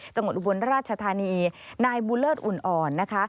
อุบลราชธานีนายบูเลิศอุ่นอ่อนนะคะ